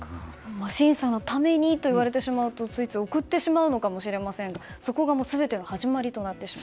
審査のためにといわれるとついつい送ってしまうのかもしれませんがそこが全ての始まりとなってしまう。